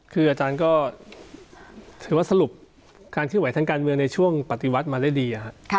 คืออาจารย์ก็ถือว่าสรุปการเคลื่อนไหวทางการเมืองในช่วงปฏิวัติมาได้ดี